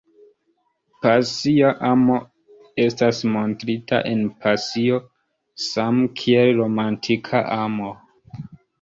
Pasia amo estas montrita en pasio same kiel romantika amo.